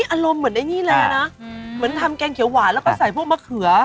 อารมณ์เหมือนไอ้นี่เลยนะเหมือนทำแกงเขียวหวานแล้วก็ใส่พวกมะเขือ